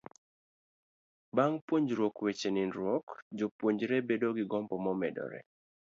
Bang' puonjruok weche nindruok, jopuonjre bedo gi gombo momedore.